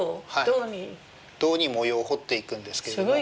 銅に模様を彫っていくんですけれども。